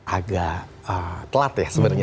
agak telat ya sebenarnya